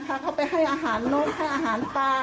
พาเขาไปให้อาหารนกให้อาหารปลา